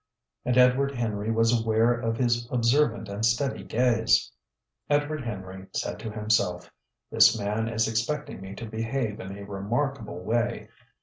And Edward Henry was aware of his observant and steady gaze. Edward Henry said to himself: "This man is expecting me to behave in a remarkable way.